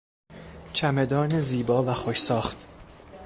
چمدان زیبا و خوش ساخت